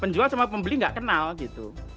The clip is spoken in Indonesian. penjual sama pembeli nggak kenal gitu